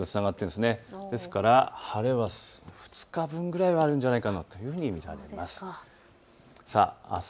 ですから晴れは２日分ぐらいはあるんじゃないかなと見られます。